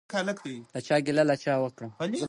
له چا ګیله له چا وکړم؟